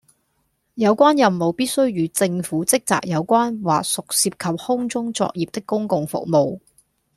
有關任務必須與政府職責有關或屬涉及空中作業的公共服務